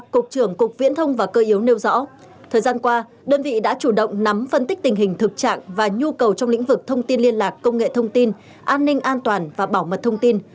cục trưởng cục viễn thông và cơ yếu nêu rõ thời gian qua đơn vị đã chủ động nắm phân tích tình hình thực trạng và nhu cầu trong lĩnh vực thông tin liên lạc công nghệ thông tin an ninh an toàn và bảo mật thông tin